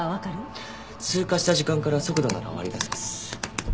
通過した時間から速度なら割り出せます。